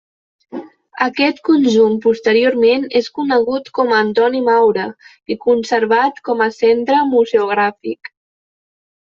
Aquest conjunt posteriorment és conegut com a Antoni Maura, i conservat com a centre museogràfic.